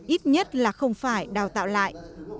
ít nhất là không phải đào tạo lại